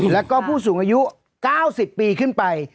แล้วก็ผู้สูงอายุ๙๐ปีขึ้นไป